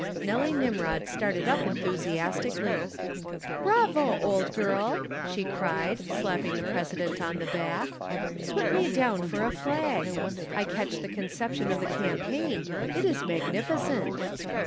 '" Nelly Nimrod started up enthusiastically. "Bravo, old girl!" she cried, slapping the President on the back. "Put me down for a flag. I catch the conception of the campaign. It is magnificent."